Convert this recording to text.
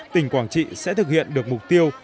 thành trị sẽ thực hiện được mục tiêu